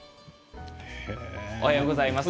おはようございます。